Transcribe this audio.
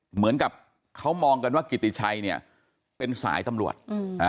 เหมือนกับเขามองกันว่ากิติชัยเนี่ยเป็นสายตำรวจ